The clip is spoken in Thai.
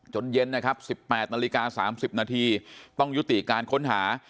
เย็นนะครับ๑๘นาฬิกา๓๐นาทีต้องยุติการค้นหา